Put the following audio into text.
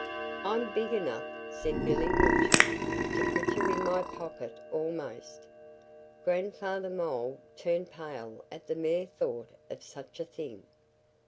"I'm big enough," said Billy Woodchuck, "to put you in my pocket, almost." Grandfather Mole turned pale at the mere thought of such a thing.